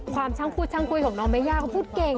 ช่างพูดช่างคุยของน้องเมย่าเขาพูดเก่ง